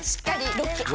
ロック！